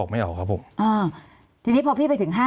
มีความรู้สึกว่ามีความรู้สึกว่า